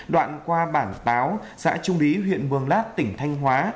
đoạn qua bảng táo xã trung lý huyện bường láp tỉnh thanh hóa